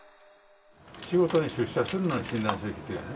仕事に出社するのに診断書いるっていうのね？